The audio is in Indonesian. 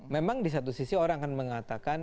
memang di satu sisi orang akan mengatakan